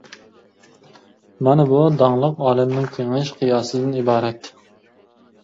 مانا بۇ داڭلىق «ئالەمنىڭ كېڭىيىش» قىياسىدىن ئىبارەت.